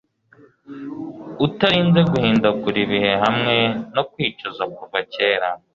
Utarinze guhindagura ibihe hamwe no kwicuza kuva kera